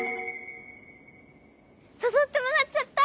さそってもらっちゃった！